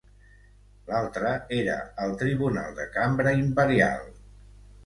L'altre era el Tribunal de Cambra Imperial.